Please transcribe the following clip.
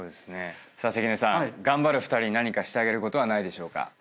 さあ関根さん頑張る２人に何かしてあげることはないでしょうか？